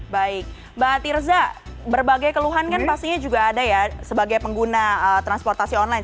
baik mbak tirza berbagai keluhan kan pastinya juga ada ya sebagai pengguna transportasi online